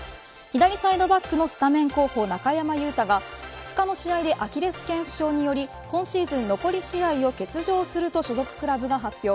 左サイドバックのスタメン候補、中山雄太が２日の試合でアキレス腱負傷により今シーズン残り試合を欠場すると所属クラブが発表。